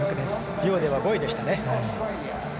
リオでは５位でした。